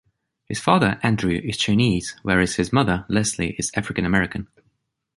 His father, Andrew, is Chinese whereas his mother, Leslie, is African-American.